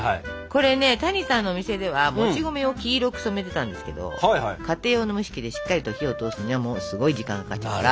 これね谷さんのお店ではもち米を黄色く染めてたんですけど家庭用の蒸し器でしっかりと火を通すにはすごい時間がかかっちゃうから。